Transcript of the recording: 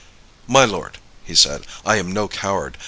"My lord," he said, "I am no coward.